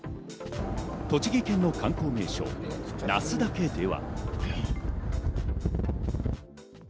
栃木県の観光名所・那須岳では。